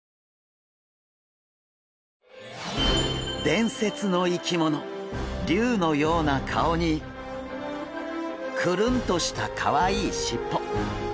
伝説の生き物竜のような顔にクルンとしたかわいいしっぽ。